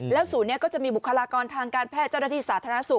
ศูนย์นี้ก็จะมีบุคลากรทางการแพทย์เจ้าหน้าที่สาธารณสุข